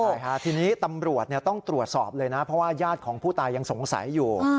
ใช่ค่ะทีนี้ตำรวจต้องตรวจสอบเลยนะเพราะว่าญาติของผู้ตายยังสงสัยอยู่